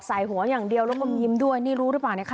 หัวอย่างเดียวแล้วก็ยิ้มด้วยนี่รู้หรือเปล่านะคะ